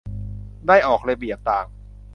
ได้ออกระเบียบต่าง